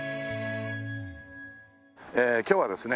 今日はですね